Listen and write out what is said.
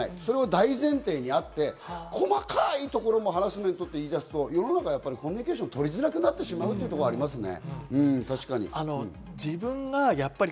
大前提にあって、細かいところのハラスメントと言い出すと世の中コミュニケーションが取りづらくなってしまうというところがありますね。